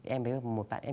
em với một bạn em